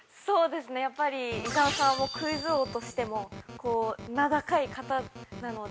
◆やっぱり伊沢さんはクイズ王としても名高い方なので。